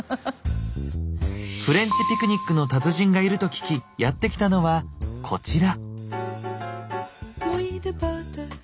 フレンチピクニックの達人がいると聞きやってきたのはこちら。